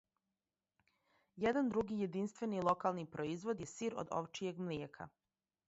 Један други јединствени локални производ је сир од овчјег млијека.